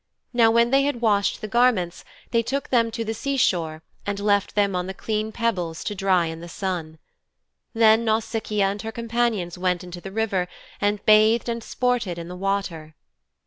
Now when they had washed the garments they took them to the sea shore and left them on the clean pebbles to dry in the sun. Then Nausicaa and her companions went into the river and bathed and sported in the water.